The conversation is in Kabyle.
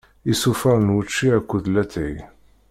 Isufar n wučči akked latay.